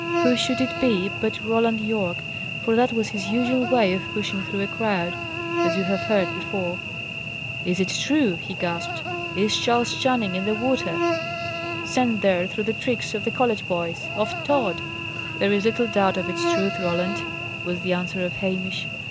Who should it be, but Roland Yorke? For that was his usual way of pushing through a crowd; as you have heard before. "Is it true?" he gasped. "Is Charles Channing in the water! sent there through the tricks of the college boys of Tod?" "There is little doubt of its truth, Roland," was the answer of Hamish.